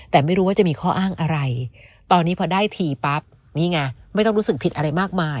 แต่ไม่รู้ว่าจะมีข้ออ้างอะไร